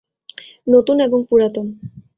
নতুন এবং পুরাতন।